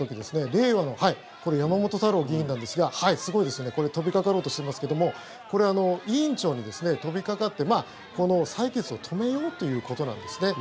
れいわの山本太郎議員なんですがすごいですね飛びかかろうとしていますけどもこれ、委員長に飛びかかってこの採決を止めようということなんですね。